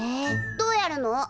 どうやるの？